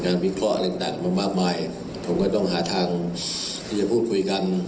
วิเคราะห์อะไรต่างมามากมายผมก็ต้องหาทางที่จะพูดคุยกัน